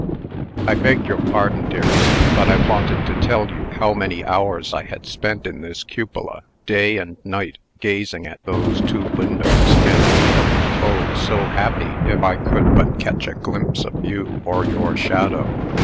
"I beg your pardon, dearest; but I wanted to tell you how many hours I had spent in this cupola, day and night, gazing at those two windows, and feeling, oh, so happy! if I could but catch a glimpse of you or your shadow.